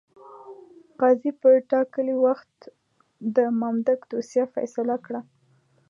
قاضي پر ټاکلي وخت د مامدک دوسیه فیصله کړه.